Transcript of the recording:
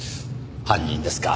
犯人ですか。